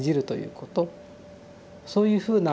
そういうふうな